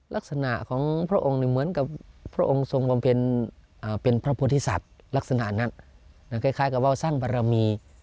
ลักษณะของพระองค์เหมือนกับพระองค์ทรงบำเพ็ญเป็นพระพุทธศัตว์ลักษณะนั้นคล้ายกับว่าสร้างบารมี